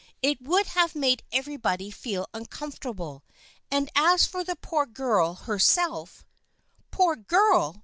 It would have made everybody feel uncomfortable and as for the poor girl herself "" Poor girl